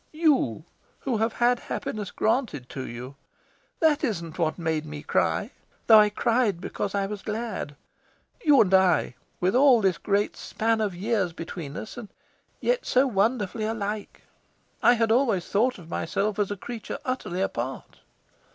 "You, who have had happiness granted to you. That isn't what made me cry, though. I cried because I was glad. You and I, with all this great span of years between us, and yet so wonderfully alike! I had always thought of myself as a creature utterly apart."